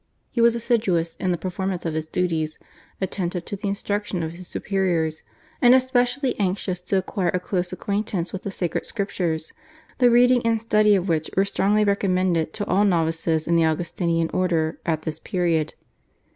He was assiduous in the performance of his duties, attentive to the instruction of his superiors, and especially anxious to acquire a close acquaintance with the Sacred Scriptures, the reading and study of which were strongly recommended to all novices in the Augustinian order at this period.